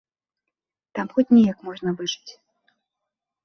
Там хоць неяк можна выжыць.